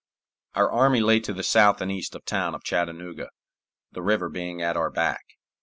Our army lay to the south and east of the town of Chattanooga, the river being at our back.